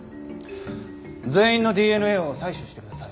全員のＤＮＡを採取してください。